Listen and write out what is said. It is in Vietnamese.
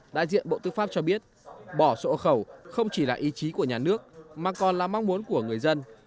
đại diện bộ tư pháp cho biết bỏ sổ khẩu không chỉ là ý chí của nhà nước mà còn là mong muốn của người dân